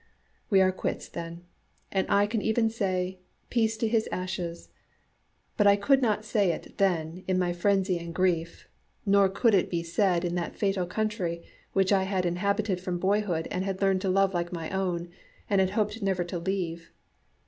We are quits then, and I can even say, "Peace to his ashes!" But I could not say it then in my frenzy and grief, nor could it be said in that fatal country which I had inhabited from boyhood and had learned to love like my own, and had hoped never to leave.